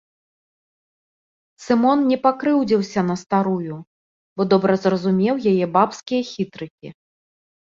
Сымон не пакрыўдзіўся на старую, бо добра зразумеў яе бабскія хітрыкі.